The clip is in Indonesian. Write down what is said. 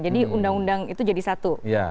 jadi undang undang itu jadi satu